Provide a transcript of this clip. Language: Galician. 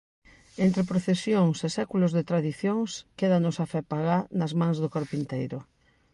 Entre procesións e séculos de tradicións, quédanos a fe pagá nas mans do carpinteiro.